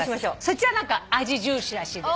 そちらは味重視らしいです。